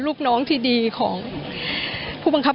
ลูกชายวัย๑๘ขวบบวชหน้าไฟให้กับพุ่งชนจนเสียชีวิตแล้วนะครับ